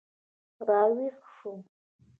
را ویښ شوم.